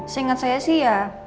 seingat saya sih ya